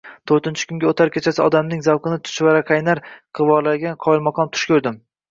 To‘rtinchi kunga o‘tar kechasi odamning zavqini chuchvaraqaynar qilvoradigan qoyilmaqom tush ko‘rdim